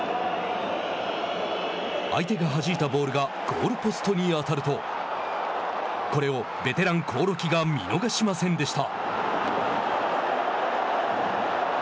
相手がはじいたボールがゴールポストに当たるとこれをベテラン興梠が見逃しませんでした。